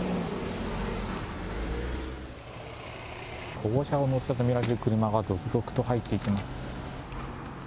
保護者を乗せたと見られる車が続々と入っていきます。